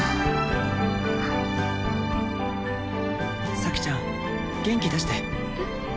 咲ちゃん元気出してえっ？